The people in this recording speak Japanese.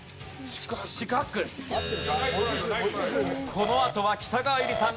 このあとは北川悠理さん